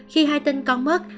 khi hai tên con mất